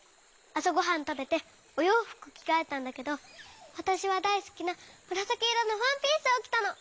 あさごはんたべておようふくきがえたんだけどわたしはだいすきなむらさきいろのワンピースをきたの。